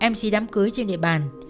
mc đám cưới trên địa bàn